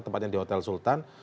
tempatnya di hotel sultan